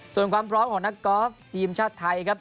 ส่วนความพร้อมของนักกอล์ฟทีมชาติไทยครับ